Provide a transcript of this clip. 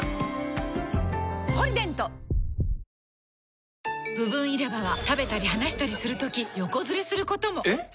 「ポリデント」部分入れ歯は食べたり話したりするとき横ずれすることも！えっ！？